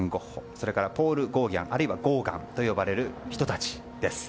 それから、ポール・ゴーギャンあるいはゴーガンと呼ばれる人たちです。